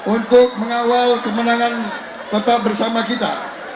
untuk mengawal kemenangan tetap bersama kita